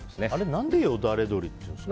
何でよだれ鶏っていうんですか？